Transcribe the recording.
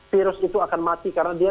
virus itu akan mati karena dia